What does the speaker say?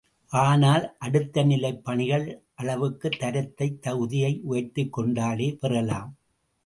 ஆனால் அடுத்த நிலைப் பணிகள் அளவுக்கு தரத்தை தகுதியை உயர்த்திக்கொண்டாலே பெறலாம்.